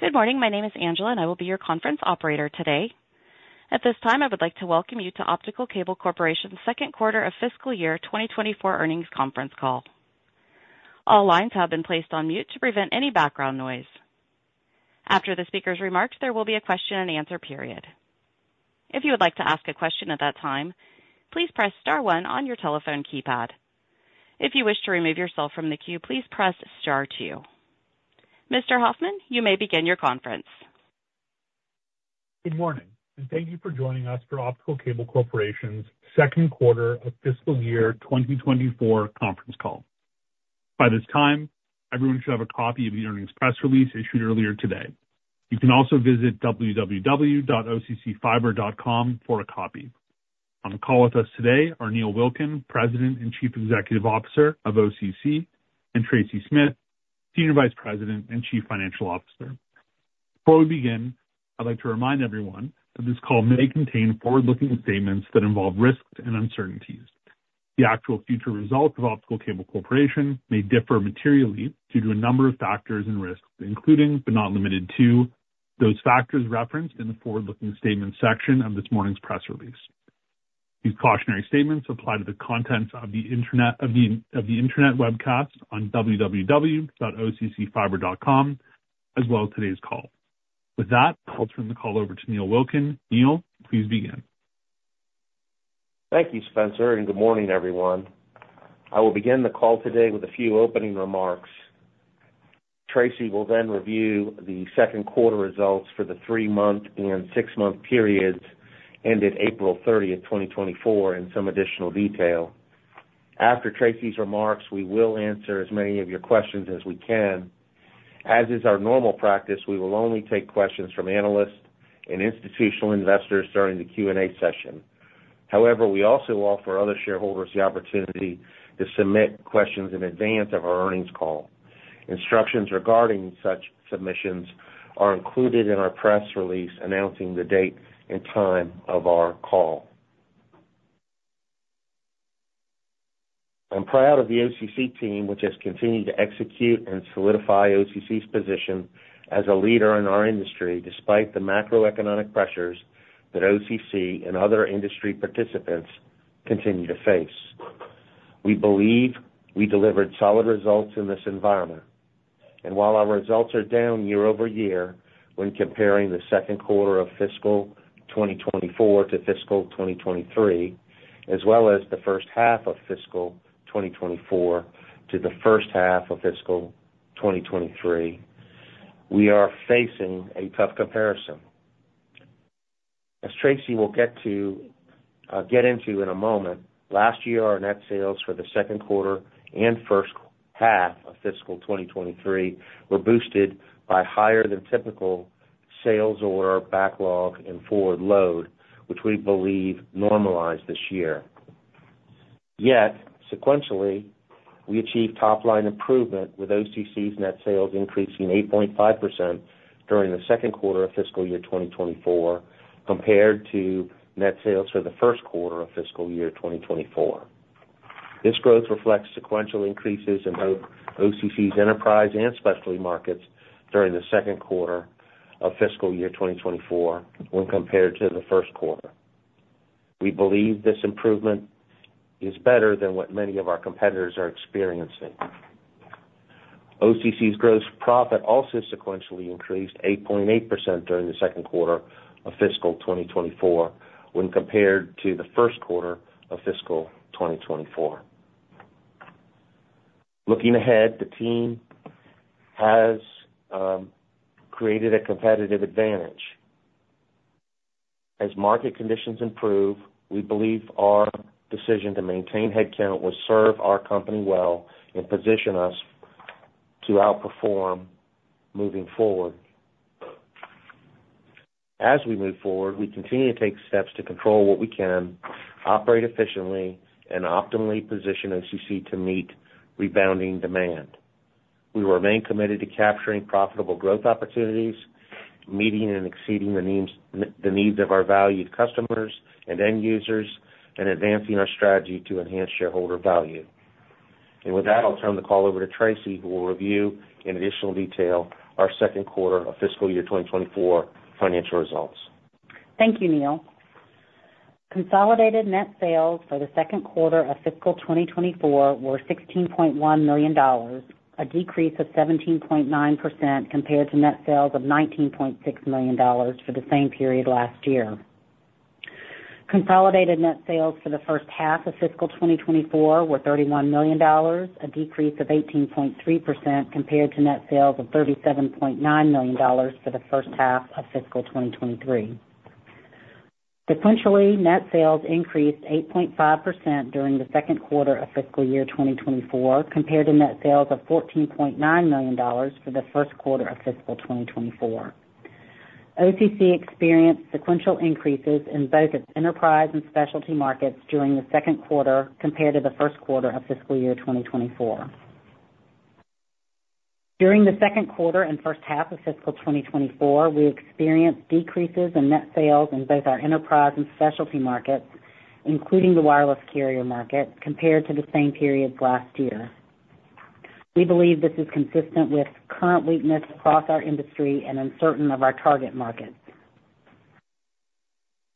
Good morning. My name is Angela, and I will be your conference operator today. At this time, I would like to welcome you to Optical Cable Corporation's second quarter of fiscal year 2024 Earnings Conference Call. All lines have been placed on mute to prevent any background noise. After the speaker's remarks, there will be a question-and-answer period. If you would like to ask a question at that time, please press star one on your telephone keypad. If you wish to remove yourself from the queue, please press star two. Mr. Hoffman, you may begin your conference. Good morning, and thank you for joining us for Optical Cable Corporation's second quarter of Fiscal Year 2024 conference call. By this time, everyone should have a copy of the earnings press release issued earlier today. You can also visit www.occfiber.com for a copy. On the call with us today are Neil Wilkin, President and Chief Executive Officer of OCC, and Tracy Smith, Senior Vice President and Chief Financial Officer. Before we begin, I'd like to remind everyone that this call may contain forward-looking statements that involve risks and uncertainties. The actual future results of Optical Cable Corporation may differ materially due to a number of factors and risks, including but not limited to those factors referenced in the forward-looking statements section of this morning's press release. These cautionary statements apply to the contents of the internet webcast on www.occfiber.com, as well as today's call. With that, I'll turn the call over to Neil Wilkin. Neil, please begin. Thank you, Spencer, and good morning, everyone. I will begin the call today with a few opening remarks. Tracy will then review the second quarter results for the three-month and six-month periods ended April 30, 2024, in some additional detail. After Tracy's remarks, we will answer as many of your questions as we can. As is our normal practice, we will only take questions from analysts and institutional investors during the Q&A session. However, we also offer other shareholders the opportunity to submit questions in advance of our earnings call. Instructions regarding such submissions are included in our press release announcing the date and time of our call. I'm proud of the OCC team, which has continued to execute and solidify OCC's position as a leader in our industry despite the macroeconomic pressures that OCC and other industry participants continue to face. We believe we delivered solid results in this environment. While our results are down year-over-year when comparing the second quarter of fiscal 2024 to fiscal 2023, as well as the first half of fiscal 2024 to the first half of fiscal 2023, we are facing a tough comparison. As Tracy will get into in a moment, last year, our net sales for the second quarter and first half of fiscal 2023 were boosted by higher than typical sales order backlog and forward load, which we believe normalized this year. Yet, sequentially, we achieved top-line improvement with OCC's net sales increasing 8.5% during the second quarter of fiscal year 2024 compared to net sales for the first quarter of fiscal year 2024. This growth reflects sequential increases in both OCC's enterprise and specialty markets during the second quarter of fiscal year 2024 when compared to the first quarter. We believe this improvement is better than what many of our competitors are experiencing. OCC's gross profit also sequentially increased 8.8% during the second quarter of fiscal 2024 when compared to the first quarter of fiscal 2024. Looking ahead, the team has created a competitive advantage. As market conditions improve, we believe our decision to maintain headcount will serve our company well and position us to outperform moving forward. As we move forward, we continue to take steps to control what we can, operate efficiently, and optimally position OCC to meet rebounding demand. We remain committed to capturing profitable growth opportunities, meeting and exceeding the needs of our valued customers and end users, and advancing our strategy to enhance shareholder value. With that, I'll turn the call over to Tracy, who will review in additional detail our second quarter of fiscal year 2024 financial results. Thank you, Neil. Consolidated net sales for the second quarter of fiscal 2024 were $16.1 million, a decrease of 17.9% compared to net sales of $19.6 million for the same period last year. Consolidated net sales for the first half of fiscal 2024 were $31 million, a decrease of 18.3% compared to net sales of $37.9 million for the first half of fiscal 2023. Sequentially, net sales increased 8.5% during the second quarter of fiscal year 2024 compared to net sales of $14.9 million for the first quarter of fiscal 2024. OCC experienced sequential increases in both its enterprise and specialty markets during the second quarter compared to the first quarter of fiscal year 2024. During the second quarter and first half of fiscal 2024, we experienced decreases in net sales in both our enterprise and specialty markets, including the wireless carrier market, compared to the same period last year. We believe this is consistent with current weakness across our industry and uncertainty of our target markets.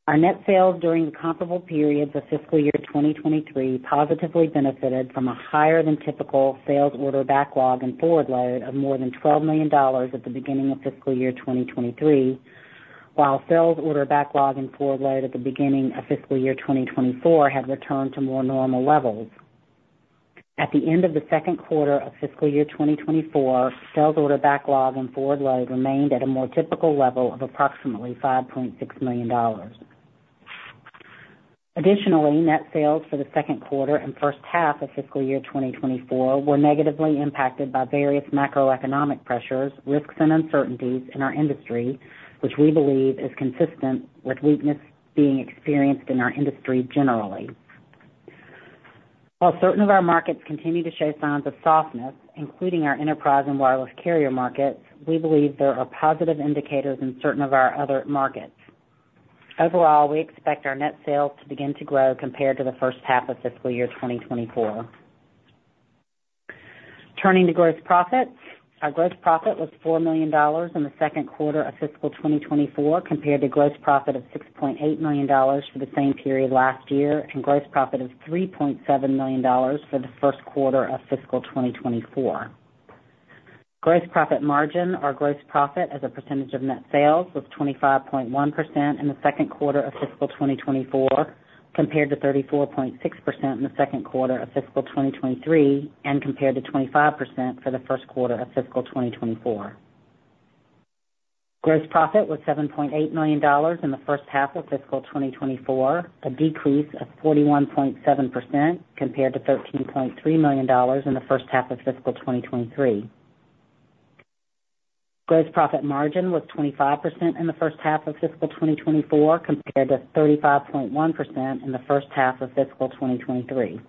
Our net sales during the comparable periods of fiscal year 2023 positively benefited from a higher than typical sales order backlog and forward load of more than $12 million at the beginning of fiscal year 2023, while sales order backlog and forward load at the beginning of fiscal year 2024 had returned to more normal levels. At the end of the second quarter of fiscal year 2024, sales order backlog and forward load remained at a more typical level of approximately $5.6 million. Additionally, net sales for the second quarter and first half of fiscal year 2024 were negatively impacted by various macroeconomic pressures, risks, and uncertainties in our industry, which we believe is consistent with weakness being experienced in our industry generally. While certain of our markets continue to show signs of softness, including our enterprise and wireless carrier markets, we believe there are positive indicators in certain of our other markets. Overall, we expect our net sales to begin to grow compared to the first half of fiscal year 2024. Turning to gross profits, our gross profit was $4 million in the second quarter of fiscal 2024 compared to gross profit of $6.8 million for the same period last year and gross profit of $3.7 million for the first quarter of fiscal 2024. Gross profit margin, or gross profit as a percentage of net sales, was 25.1% in the second quarter of fiscal 2024 compared to 34.6% in the second quarter of fiscal 2023 and compared to 25% for the first quarter of fiscal 2024. Gross profit was $7.8 million in the first half of fiscal 2024, a decrease of 41.7% compared to $13.3 million in the first half of fiscal 2023. Gross profit margin was 25% in the first half of fiscal 2024 compared to 35.1% in the first half of fiscal 2023.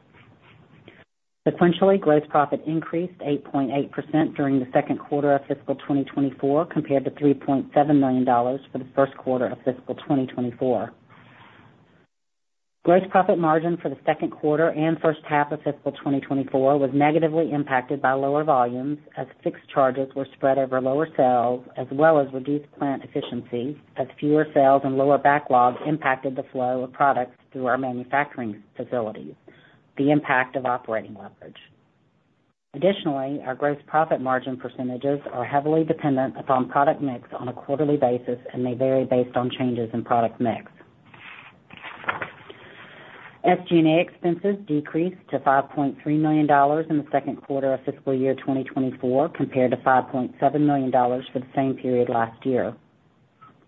Sequentially, gross profit increased 8.8% during the second quarter of fiscal 2024 compared to $3.7 million for the first quarter of fiscal 2024. Gross profit margin for the second quarter and first half of fiscal 2024 was negatively impacted by lower volumes as fixed charges were spread over lower sales, as well as reduced plant efficiency, as fewer sales and lower backlog impacted the flow of products through our manufacturing facilities, the impact of operating leverage. Additionally, our gross profit margin percentages are heavily dependent upon product mix on a quarterly basis and may vary based on changes in product mix. SG&A expenses decreased to $5.3 million in the second quarter of fiscal year 2024 compared to $5.7 million for the same period last year.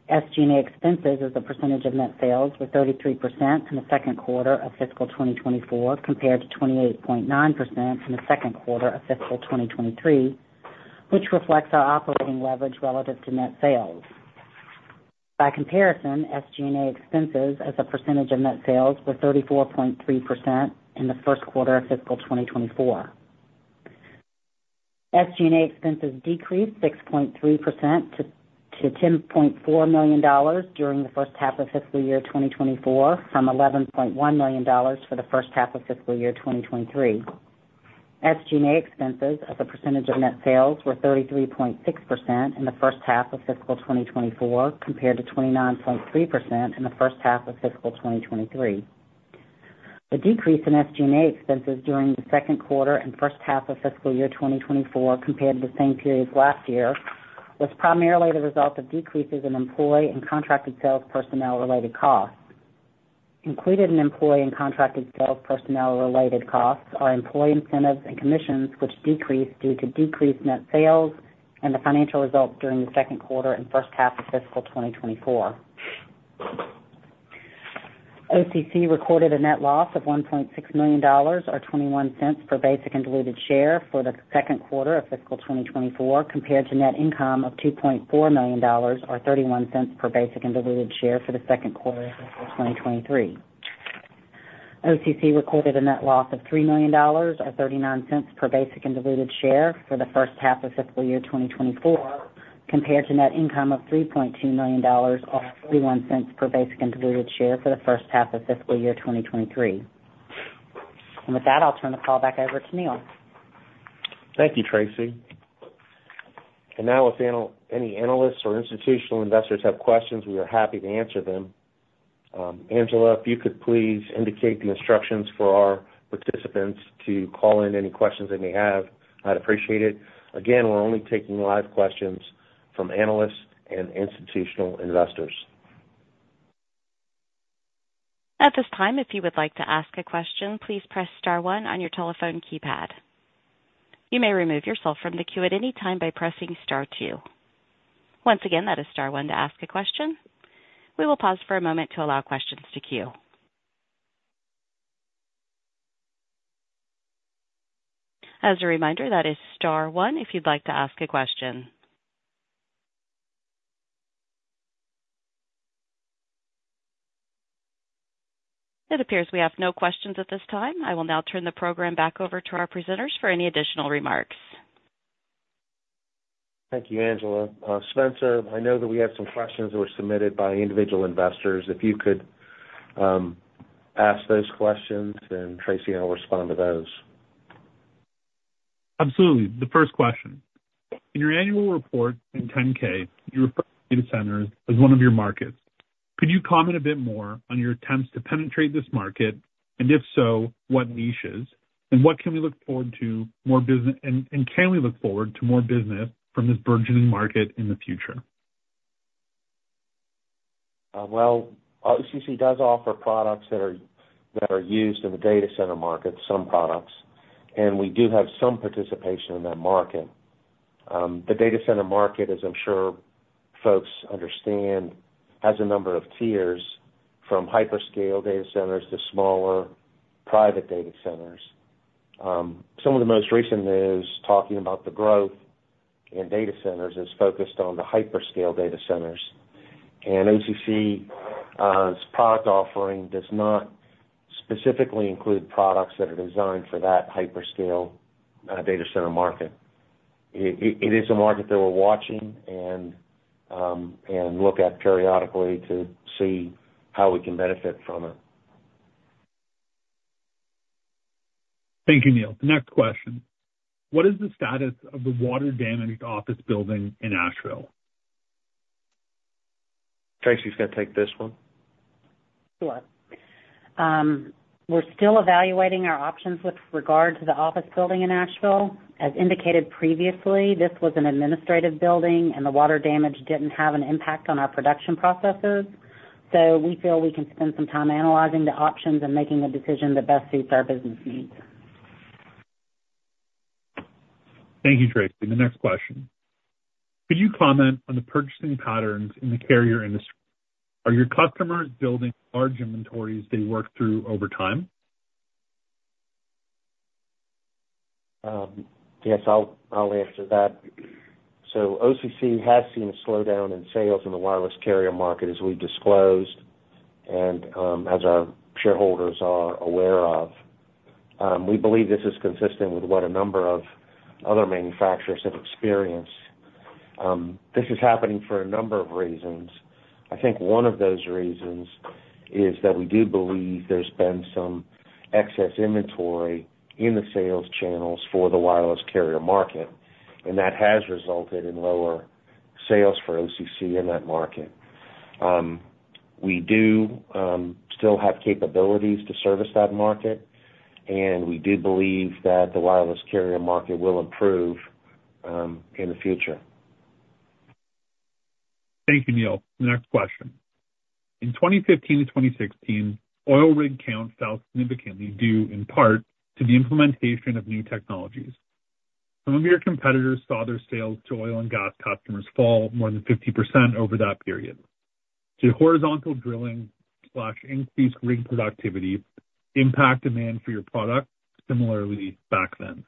SG&A expenses as a percentage of net sales were 33% in the second quarter of fiscal 2024 compared to 28.9% in the second quarter of fiscal 2023, which reflects our operating leverage relative to net sales. By comparison, SG&A expenses as a percentage of net sales were 34.3% in the first quarter of fiscal 2024. SG&A expenses decreased 6.3% to $10.4 million during the first half of fiscal year 2024 from $11.1 million for the first half of fiscal year 2023. SG&A expenses as a percentage of net sales were 33.6% in the first half of fiscal 2024 compared to 29.3% in the first half of fiscal 2023. The decrease in SG&A expenses during the second quarter and first half of fiscal year 2024 compared to the same period last year was primarily the result of decreases in employee and contracted sales personnel-related costs. Included in employee and contracted sales personnel-related costs are employee incentives and commissions, which decreased due to decreased net sales and the financial results during the second quarter and first half of fiscal 2024. OCC recorded a net loss of $1.6 million, or $0.21, per basic and diluted share for the second quarter of fiscal 2024 compared to net income of $2.4 million, or $0.31, per basic and diluted share for the second quarter of fiscal 2023. OCC recorded a net loss of $3 million, or $0.39, per basic and diluted share for the first half of fiscal year 2024 compared to net income of $3.2 million, or $0.31, per basic and diluted share for the first half of fiscal year 2023. And with that, I'll turn the call back over to Neil. Thank you, Tracy. Now, if any analysts or institutional investors have questions, we are happy to answer them. Angela, if you could please indicate the instructions for our participants to call in any questions they may have. I'd appreciate it. Again, we're only taking live questions from analysts and institutional investors. At this time, if you would like to ask a question, please press star one on your telephone keypad. You may remove yourself from the queue at any time by pressing star two. Once again, that is star one to ask a question. We will pause for a moment to allow questions to queue. As a reminder, that is star one if you'd like to ask a question. It appears we have no questions at this time. I will now turn the program back over to our presenters for any additional remarks. Thank you, Angela. Spencer, I know that we have some questions that were submitted by individual investors. If you could ask those questions, then Tracy and I will respond to those. Absolutely. The first question. In your annual report in 10-K, you refer to data centers as one of your markets. Could you comment a bit more on your attempts to penetrate this market, and if so, what niches, and what can we look forward to more business, and can we look forward to more business from this burgeoning market in the future? Well, OCC does offer products that are used in the data center market, some products, and we do have some participation in that market. The data center market, as I'm sure folks understand, has a number of tiers from hyperscale data centers to smaller private data centers. Some of the most recent news talking about the growth in data centers is focused on the hyperscale data centers. OCC's product offering does not specifically include products that are designed for that hyperscale data center market. It is a market that we're watching and look at periodically to see how we can benefit from it. Thank you, Neil. Next question. What is the status of the water-damaged office building in Asheville? Tracy's going to take this one. Sure. We're still evaluating our options with regard to the office building in Asheville. As indicated previously, this was an administrative building, and the water damage didn't have an impact on our production processes. So we feel we can spend some time analyzing the options and making a decision that best suits our business needs. Thank you, Tracy. The next question. Could you comment on the purchasing patterns in the carrier industry? Are your customers building large inventories they work through over time? Yes, I'll answer that. So OCC has seen a slowdown in sales in the wireless carrier market, as we disclosed, and as our shareholders are aware of. We believe this is consistent with what a number of other manufacturers have experienced. This is happening for a number of reasons. I think one of those reasons is that we do believe there's been some excess inventory in the sales channels for the wireless carrier market, and that has resulted in lower sales for OCC in that market. We do still have capabilities to service that market, and we do believe that the wireless carrier market will improve in the future. Thank you, Neil. The next question. In 2015 to 2016, oil rig count fell significantly due in part to the implementation of new technologies. Some of your competitors saw their sales to oil and gas customers fall more than 50% over that period. Did horizontal drilling/increased rig productivity impact demand for your product similarly back then?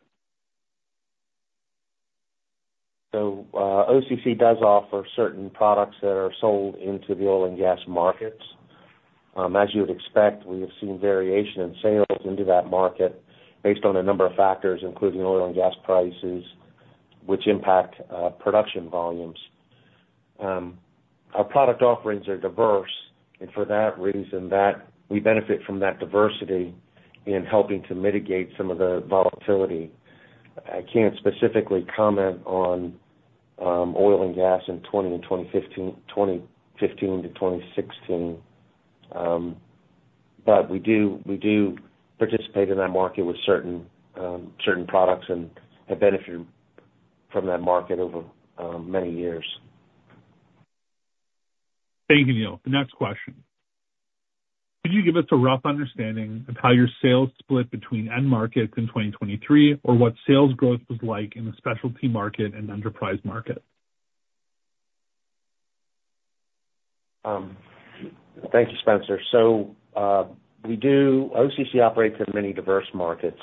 So OCC does offer certain products that are sold into the oil and gas markets. As you would expect, we have seen variation in sales into that market based on a number of factors, including oil and gas prices, which impact production volumes. Our product offerings are diverse, and for that reason, we benefit from that diversity in helping to mitigate some of the volatility. I can't specifically comment on oil and gas in 2015 to 2016, but we do participate in that market with certain products and have benefited from that market over many years. Thank you, Neil. The next question. Could you give us a rough understanding of how your sales split between end markets in 2023, or what sales growth was like in the specialty market and enterprise market? Thank you, Spencer. So OCC operates in many diverse markets,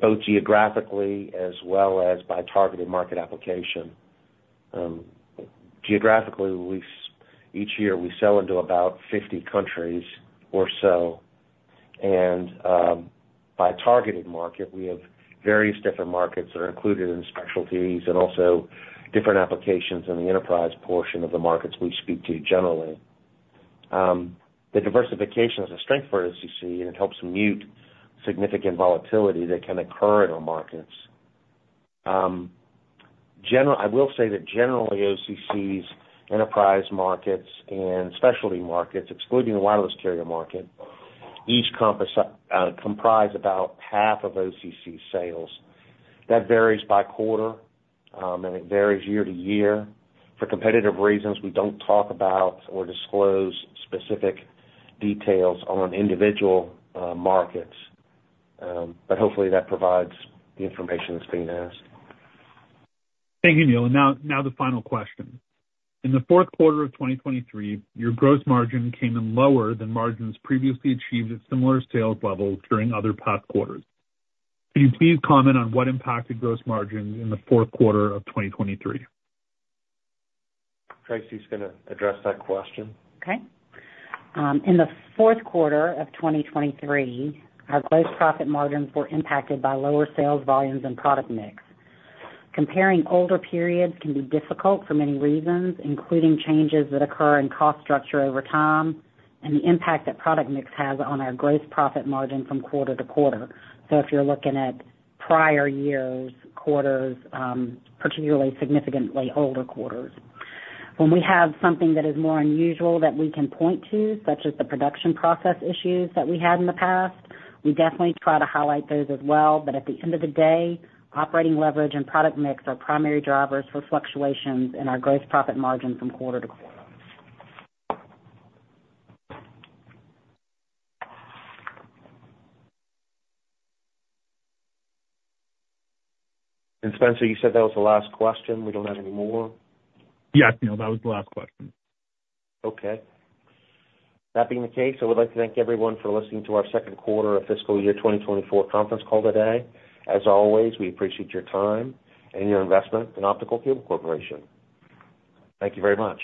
both geographically as well as by targeted market application. Geographically, each year we sell into about 50 countries or so. And by targeted market, we have various different markets that are included in specialties and also different applications in the enterprise portion of the markets we speak to generally. The diversification is a strength for OCC, and it helps mute significant volatility that can occur in our markets. I will say that generally, OCC's enterprise markets and specialty markets, excluding the wireless carrier market, each comprise about half of OCC's sales. That varies by quarter, and it varies year to year. For competitive reasons, we don't talk about or disclose specific details on individual markets, but hopefully that provides the information that's being asked. Thank you, Neil. Now, the final question. In the fourth quarter of 2023, your gross margin came in lower than margins previously achieved at similar sales levels during other past quarters. Could you please comment on what impacted gross margins in the fourth quarter of 2023? Tracy's going to address that question. Okay. In the fourth quarter of 2023, our gross profit margins were impacted by lower sales volumes and product mix. Comparing older periods can be difficult for many reasons, including changes that occur in cost structure over time and the impact that product mix has on our gross profit margin from quarter to quarter. So if you're looking at prior years, quarters, particularly significantly older quarters. When we have something that is more unusual that we can point to, such as the production process issues that we had in the past, we definitely try to highlight those as well. But at the end of the day, operating leverage and product mix are primary drivers for fluctuations in our gross profit margin from quarter to quarter. Spencer, you said that was the last question. We don't have any more? Yes, Neil. That was the last question. Okay. That being the case, I would like to thank everyone for listening to our second quarter of fiscal year 2024 conference call today. As always, we appreciate your time and your investment in Optical Cable Corporation. Thank you very much.